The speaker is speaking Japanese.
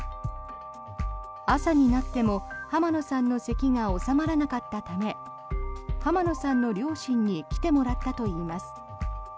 朝になっても浜野さんのせきが治まらなかったため浜野さんの両親に来てもらったといいます。